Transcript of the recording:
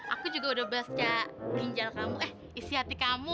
aku juga udah baca ginjal kamu eh isi hati kamu